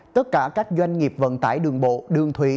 tất cả các doanh nghiệp vận tải đường bộ đường thủy